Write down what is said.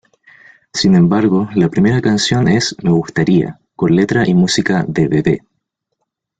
Sin embargo, la primera canción es "me gustaría", con letra y música de Bebe.